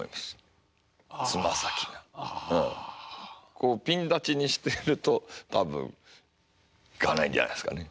こうピン立ちにしてると多分いかないんじゃないですかね。